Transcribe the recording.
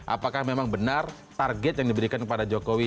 apakah memang benar target yang diberikan kepada jokowi